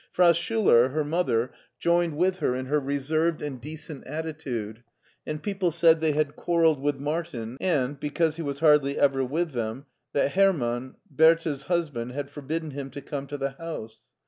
Frau Schuler, her mother, joined with her in her reserved and decent attitude, and people said they had quarreled with Martin, and, because he was hardly ever with them, that Herman, Bertha's husband, had forbidden him to come to the house.